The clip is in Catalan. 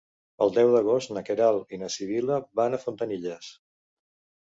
El deu d'agost na Queralt i na Sibil·la van a Fontanilles.